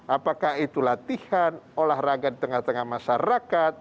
apakah itu latihan olahraga di tengah tengah masyarakat